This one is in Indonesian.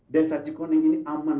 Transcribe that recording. desa cikuning ini amat berhubungan dengan